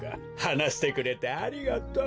はなしてくれてありがとう。